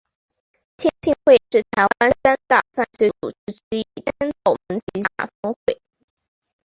天庆会是台湾三大犯罪组织之一天道盟旗下分会。